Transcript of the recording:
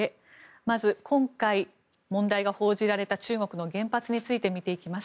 まず今回、問題が報じられた中国の原発について見ていきます。